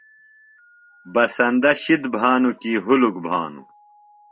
بسندہ شِد بھانُوۡ کی ہُلک بھانوۡ؟